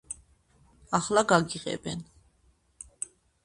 - ახლა გაგიღებენ!